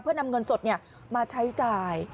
เพื่อนำเงินสดมาใช้จ่าย